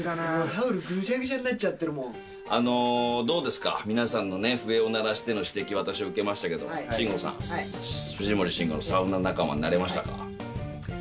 タオルぐちゃぐちゃになっちどうですか、皆さんの笛を鳴らしての指摘、私、受けましたけど、慎吾さん、藤森慎吾のサウナ仲間になれましたか？